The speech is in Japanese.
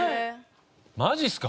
マジっすか。